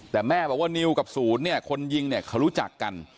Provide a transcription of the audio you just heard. แต่แม่บอกว่านิวกับศูนย์เนี่ยคนยิงเนี่ยเขารู้จักกัน